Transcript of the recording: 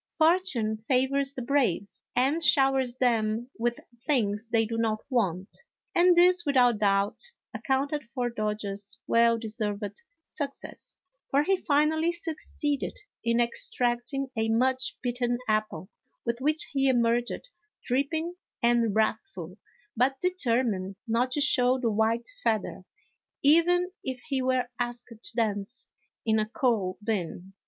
" Fortune favors the brave," and showers them with things they do not want, and this, without doubt, accounted for Dodge's well deserved success, for he finally succeeded in extracting a much bitten apple with which he emerged dripping and wrathful, but determined not to show the white feather, even if he were asked to dance in a coal bin.